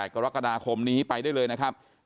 กรกฎาคมนี้ไปได้เลยนะครับ